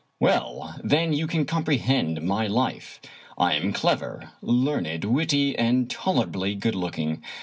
" Well, then, you can comprehend my life. I am clever, learned, witty, and tolerably good looking.